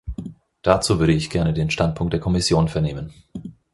Dazu würde ich gerne den Standpunkt der Kommission vernehmen.